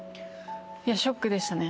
いやショックでしたね。